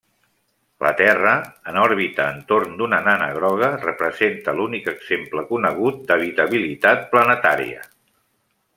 La Terra, en òrbita entorn d'una nana groga, representa l'únic exemple conegut d'habitabilitat planetària.